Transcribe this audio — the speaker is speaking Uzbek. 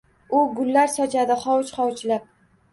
U gullar sochadi hovuch-hovuchlab